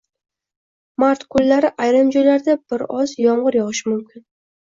Mmart kunlari ayrim joylarda bir oz yomgʻir yogʻishi mumkin.